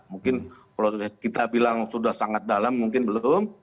mungkin kalau kita bilang sudah sangat dalam mungkin belum